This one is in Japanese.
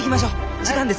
時間ですき。